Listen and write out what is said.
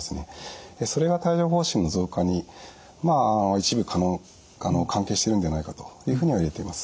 それが帯状ほう疹の増加に一部関係しているのではないかというふうにいわれています。